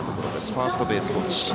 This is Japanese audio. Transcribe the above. ファーストベースコーチ。